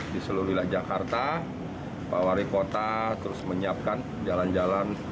di seluruh wilayah jakarta pak wali kota terus menyiapkan jalan jalan